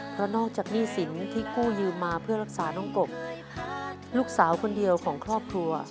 เพราะนอกจากหนี้สินที่กู้ยืมมาเพื่อรักษาน้องกบ